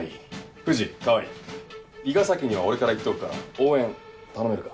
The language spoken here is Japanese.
藤川合伊賀崎には俺から言っておくから応援頼めるか？